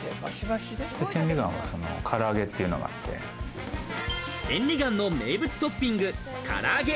千里眼はカラアゲというのがあって、千里眼の名物トッピング、カラアゲ。